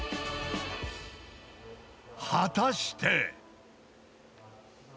［果たして］